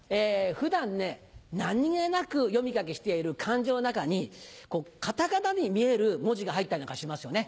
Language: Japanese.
普段ね何げなく読み書きしている漢字の中にカタカナに見える文字が入ったりなんかしますよね。